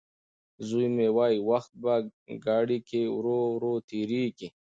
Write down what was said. زوی مې وايي وخت په ګاډي کې ورو تېرېږي.